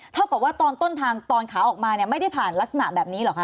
เท่ากับว่าตอนต้นทางตอนขาออกมาเนี่ยไม่ได้ผ่านลักษณะแบบนี้เหรอคะ